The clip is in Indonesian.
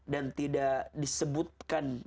dan tidak disebutkan